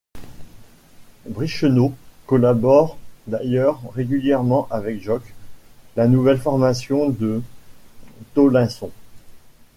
Bricheno collabore d'ailleurs régulièrement avec Jok, la nouvelle formation de Tomlinson.